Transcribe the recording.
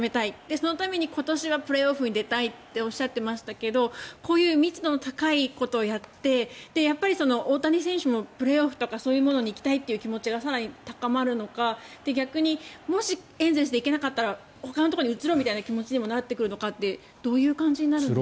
そのために今年はプレーオフに出たいとおっしゃっていましたけどこういう密度の高いことをやってやっぱり大谷選手もプレーオフとかに行きたいという気持ちが更に高まるのか逆にもし、エンゼルスで行けなかったらほかのところに移ろうという気持ちにもなってくるのかどういう感じなんですか？